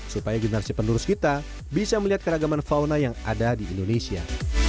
supaya generasi penerus kita bisa melihat keragaman fauna yang ada di indonesia